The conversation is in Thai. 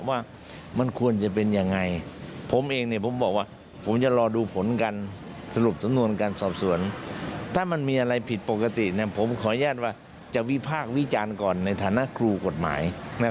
ผมขออนุญาตว่าจะวิภาควิจารณ์ก่อนในฐานะครูกฎหมาย